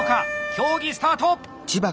競技スタート！